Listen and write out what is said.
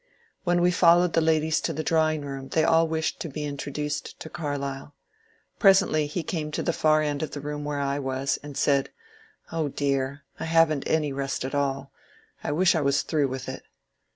When we followed the ladies to the drawing room they all wished to be introduced to Carlyle. Presently he came to the far end of the room where I was, and said, ^^Oh, dear, — I have n't any rest at all — I wish I was through with it."